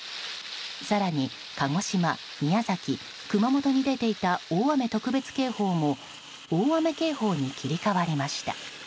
更に鹿児島、宮崎、熊本に出ていた大雨特別警報も大雨警報に切り替わりました。